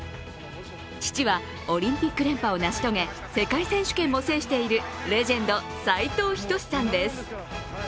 父はオリンピック連覇を成し遂げ、世界選手権も制しているレジェンド・斉藤仁さんです。